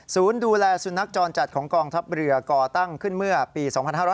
ดูแลสุนัขจรจัดของกองทัพเรือก่อตั้งขึ้นเมื่อปี๒๕๕๙